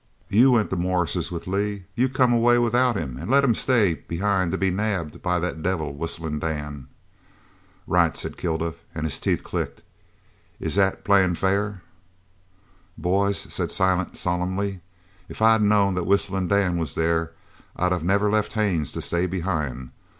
You went to Morris's with Lee. You come away without him and let him stay behind to be nabbed by that devil Whistlin' Dan." "Right," said Kilduff, and his teeth clicked. "Is that playin' fair?" "Boys," said Silent solemnly, "if I had knowed that Whistlin' Dan was there, I'd of never left Haines to stay behind.